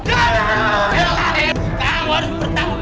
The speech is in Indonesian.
aku akan balas dendam